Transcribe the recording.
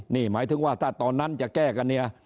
นี่หมายถึงว่าถ้าตอนนั้นจะแก้กันเนี่ย